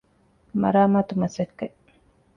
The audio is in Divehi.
މަރާމާތު މަސައްކަތް